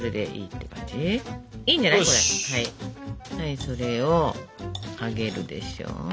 はいそれをあげるでしょ。